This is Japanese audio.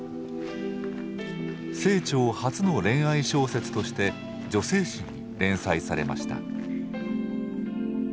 清張初の恋愛小説として女性誌に連載されました。